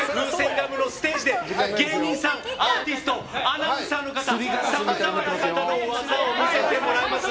ガムのステージで芸人さん、アーティストアナウンサーの方さまざまな方の技を見せてもらえます。